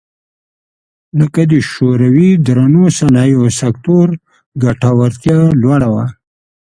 لکه د شوروي درنو صنایعو سکتور ګټورتیا لوړه وه